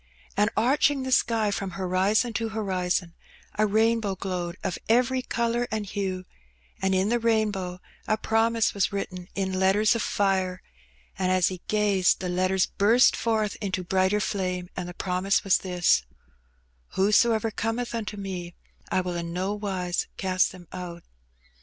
And arching the sky from lorizon to horizon, a rainbow glowed of every colour and lue, and in the rainbow a promise was written in letters of ire, and as he gazed the letters burst forth into brighter 3ame, and the promise was this, "Whosoever cometh unto Me, I will in no wise cast them out."